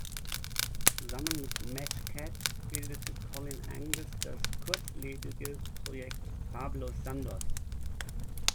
Zusammen mit Matt Cat bildete Colin Angus das kurzlebige Projekt „Pablo Sandoz“.